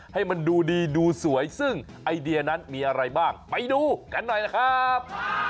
ให้มันดูดีดูสวยซึ่งไอเดียนั้นมีอะไรบ้างไปดูกันหน่อยนะครับ